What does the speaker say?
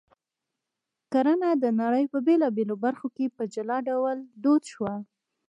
کرنه د نړۍ په بېلابېلو برخو کې په جلا ډول دود شوه